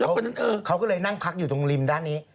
เพราะฉะนั้นเค้าก็เลยนั่งพักอยู่ตรงริมด้านนี้